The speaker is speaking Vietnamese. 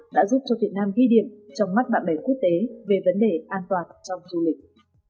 đã giúp cho việt nam ghi điểm trong mắt bạn bè quốc tế về vấn đề an toàn trong du lịch